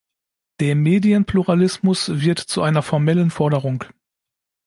Der Medienpluralismus wird zu einer formellen Forderung.